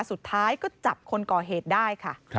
สุดท้ายก็จับคนก่อเหตุได้ค่ะ